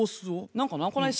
何かなこないだ